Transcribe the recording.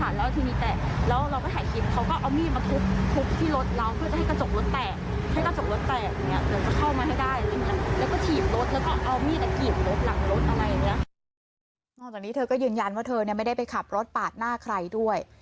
หลังจากนี้เธอก็ยืนยันว่าเธอไม่ได้ไปขับรถปาดหน้าใครด้วย